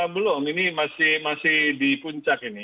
belum ini masih di puncak ini